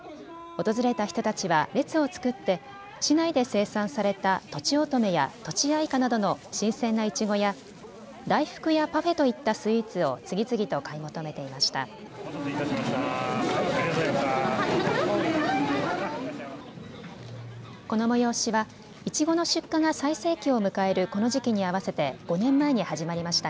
訪れた人たちは列を作って市内で生産されたとちおとめやとちあいかなどの新鮮ないちごや大福やパフェといったスイーツを次々と買い求めていました。